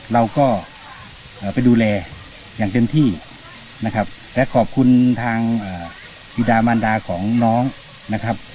เราก็ไปดูแลอย่างเต็มที่นะครับและขอบคุณทางบิดามันดาของน้องนะครับ